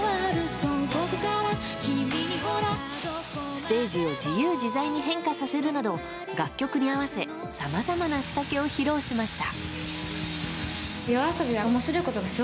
ステージを自由自在に変化させるなど楽曲に合わせさまざまな仕掛けを披露しました。